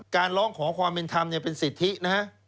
การล้องขอความเป็นธรรมเนี่ยเป็นสิทธินะฮะ